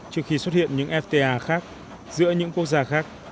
trước khi xuất hiện những fta khác giữa những quốc gia khác